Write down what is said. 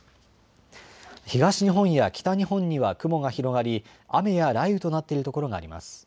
東日本や北日本には雲が広がり雨や雷雨となっている所があります。